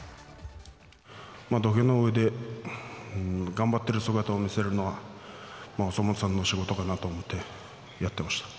土俵の上で頑張ってる姿を見せるのが、お相撲さんの仕事かなと思ってやってました。